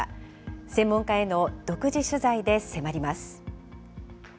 専門家への独自取材で迫ります。